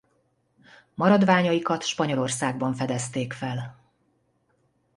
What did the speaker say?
Maradványaikat Spanyolországban fedezték fel.